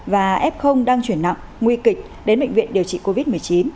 và f đang chuyển nặng nguy kịch đến bệnh viện điều trị covid một mươi chín